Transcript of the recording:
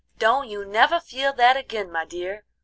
"Don't you never feel that agin, my dear.